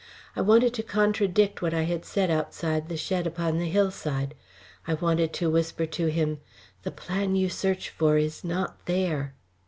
I wanted to contradict what I had said outside the shed upon the hillside. I wanted to whisper to him: "The plan you search for is not there."